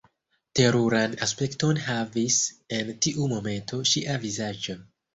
Teruran aspekton havis en tiu momento ŝia vizaĝo.